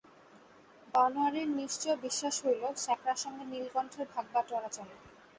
বনোয়ারির নিশ্চয় বিশ্বাস হইল, স্যাকরার সঙ্গে নীলকণ্ঠের ভাগবাটোয়ারা চলে।